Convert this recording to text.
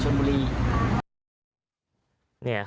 กระทั่งเด็กคลอดออกมาก่อนกำหนด